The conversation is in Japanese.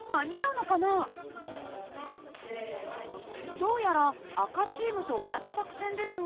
どうやら赤チームと同じ作戦ですが。